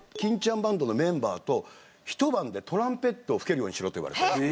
バンドのメンバーとひと晩でトランペットを吹けるようにしろと言われて。